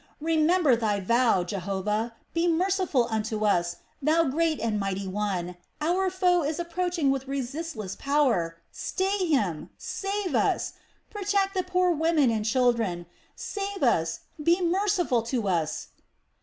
Remember Thy vow, Jehovah! Be merciful unto us, Thou great and mighty one! Our foe is approaching with resistless power! Stay him! Save us! Protect the poor women and children! Save us, be merciful to us!"